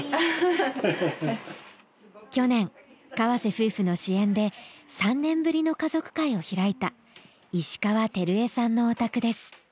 去年河瀬夫婦の支援で３年ぶりの家族会を開いた石川光衞さんのお宅です。